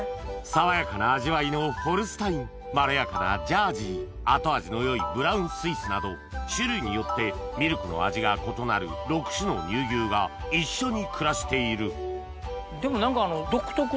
爽やかな味わいのホルスタインまろやかなジャージー後味の良いブラウンスイスなど種類によってミルクの味が異なる６種の乳牛が一緒に暮らしているでも何か。